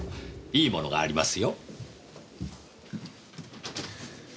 いいものがありますよ。